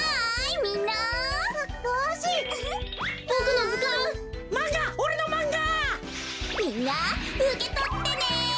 みんなうけとってね！